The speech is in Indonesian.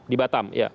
di batam ya